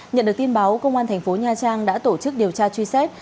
nhận được tin báo công an tp nha trang đã tổ chức điều tra truy xét